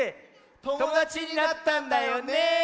ともだちになったんだよねえ。